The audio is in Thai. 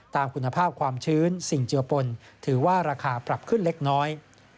ตามคุณภาพความชื้นสิ่งเจือปนถือว่าราคาปรับขึ้นเล็กน้อย